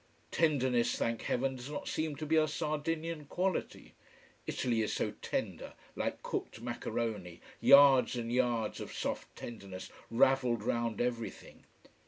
Tenderness, thank heaven, does not seem to be a Sardinian quality. Italy is so tender like cooked macaroni yards and yards of soft tenderness ravelled round everything.